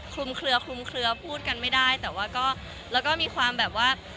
คลุมเคลือคลุมเคลือพูดกันไม่ได้แต่ว่าก็แล้วก็มีความแบบว่า